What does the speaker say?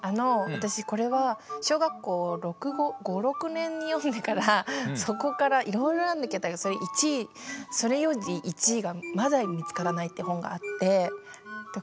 私これは小学校６５５６年に読んでからそこからいろいろ読んだけどそれ１位それより１位がまだ見つからないって本があって。